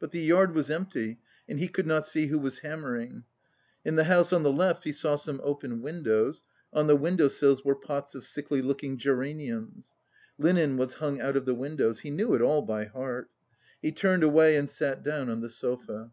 But the yard was empty and he could not see who was hammering. In the house on the left he saw some open windows; on the window sills were pots of sickly looking geraniums. Linen was hung out of the windows... He knew it all by heart. He turned away and sat down on the sofa.